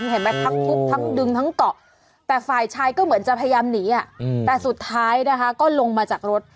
เห็นไหมทั้งทุบทั้งดึงทั้งเกาะแต่ฝ่ายชายก็เหมือนจะพยายามหนีแต่สุดท้ายนะคะก็ลงมาจากรถ